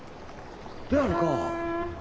であるか？